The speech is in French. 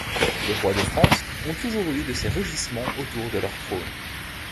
Les rois de France ont toujours eu de ces rugissements autour de leur trône.